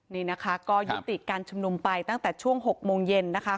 นี่นะคะก็ยุติการชุมนุมไปตั้งแต่ช่วง๖โมงเย็นนะคะ